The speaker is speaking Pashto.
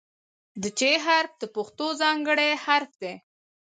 د "چ" حرف د پښتو ځانګړی حرف دی.